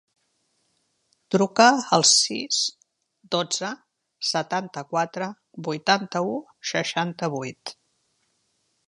Truca al sis, dotze, setanta-quatre, vuitanta-u, seixanta-vuit.